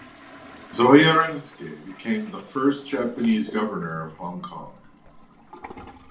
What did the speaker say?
Isogai Rensuke became the first Japanese governor of Hong Kong.